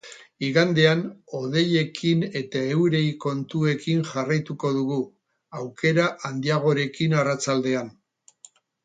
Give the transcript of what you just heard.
Igandean, hodeiekin eta euri kontuekin jarraituko dugu, aukera handiagorekin arratsaldean.